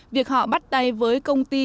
việc họ bắt tay với công ty